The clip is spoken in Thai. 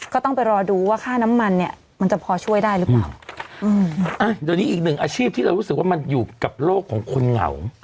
ก็ต้องไปรอดูว่าค่าน้ำมันเนี่ยมันจะพอช่วยได้หรือเปล่าอืมอ่ะเดี๋ยวนี้อีกหนึ่งอาชีพที่เรารู้สึกว่ามันอยู่กับโลกของคนเหงา